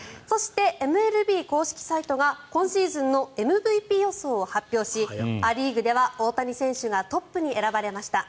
ＭＬＢ公式サイトが今シーズンのＭＶＰ予想を発表しア・リーグでは大谷選手がトップに選ばれました。